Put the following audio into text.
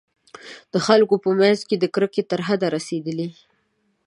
د خلکو په منځ کې د کرکې تر حده رسېدلي.